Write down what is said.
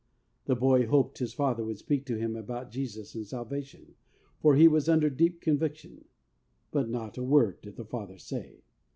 The boy hoped his father would speak to him about Jesus and Salvation, for he was under deep conviction, but not a word did the father say.